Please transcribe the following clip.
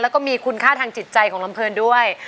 แล้วก็มีคุณค่าทางจิตใจของลำเพลินด้วย